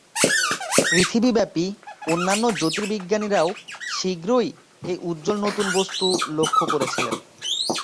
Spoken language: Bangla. পৃথিবীব্যাপী অন্যান্য জ্যোতির্বিজ্ঞানীরাও শীঘ্রই এই উজ্জ্বল নতুন বস্তু লক্ষ করেছিলেন।